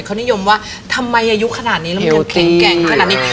เขานิยมทำไมอายุแค่นั้นเราไม่เครื่องแรง